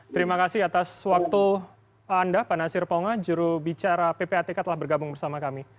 terima kasih atas waktu anda pak nasir ponga jurubicara ppatk telah bergabung bersama kami